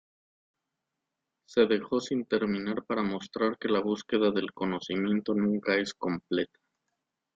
Se dejó sin terminar para mostrar que la búsqueda del conocimiento nunca es completa.